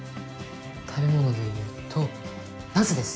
食べ物でいうとナスです。